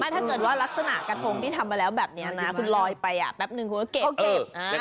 ถ้าเกิดว่ารักษณะกระทงที่ทำมาแล้วแบบนี้นะคุณลอยไปแป๊บนึงคุณก็เก็บ